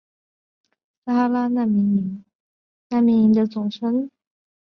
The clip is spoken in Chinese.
撒哈拉难民营是阿尔及利亚廷杜夫省境内的一系列撒哈拉人难民营的总称。